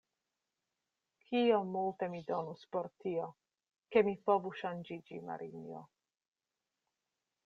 Kiom multe mi donus por tio, ke mi povu ŝanĝiĝi, Marinjo!